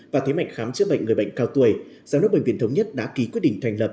và thế mạnh khám chữa bệnh người bệnh cao tuổi giám đốc bệnh viện thống nhất đã ký quyết định thành lập